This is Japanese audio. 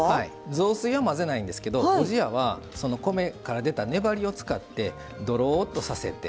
雑炊は混ぜないんですけどおじやは米から出た粘りを使ってどろっとさせて。